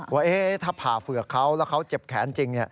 ว่าถ้าผ่าเฝือกเขาแล้วเขาเจ็บแขนจริง